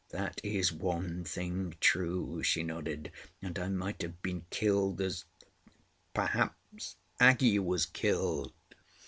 That is one thing true," she nodded. "And I might have been killed as—perhaps Aggie was killed."